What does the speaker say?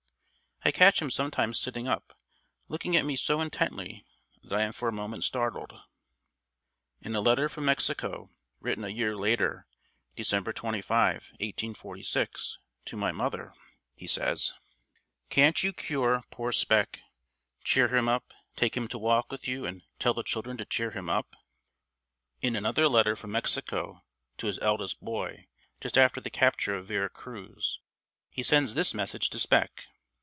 I catch him sometimes sitting up looking at me so intently that I am for a moment startled...." In a letter from Mexico written a year later December 25, 1846, to my mother, he says: "... Can't you cure poor Spec? Cheer him up take him to walk with you and tell the children to cheer him up. ..." In another letter from Mexico to his eldest boy, just after the capture of Vera Cruz, he sends this message to Spec: "...